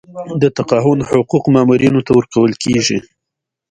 د تقاعد حقوق مامورینو ته ورکول کیږي